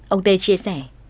ông tê chia sẻ